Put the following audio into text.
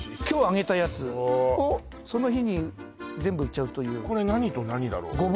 今日揚げたやつをその日に全部売っちゃうというこれ何と何だろう？